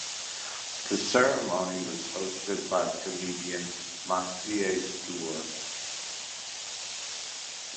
The ceremony was hosted by comedian Maciej Stuhr.